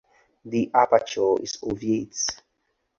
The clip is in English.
The aperture is ovate.